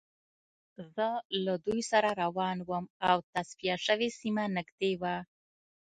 زه له دوی سره روان وم او تصفیه شوې سیمه نږدې وه